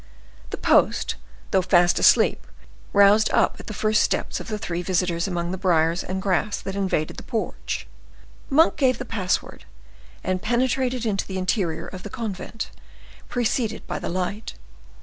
The post, though fast asleep, roused up at the first steps of the three visitors amongst the briars and grass that invaded the porch. Monk gave the password, and penetrated into the interior of the convent, preceded by the light.